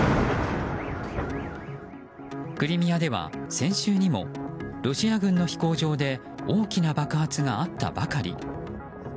クリミアでは先週にもロシア軍の飛行場で大きな爆発があったばかり。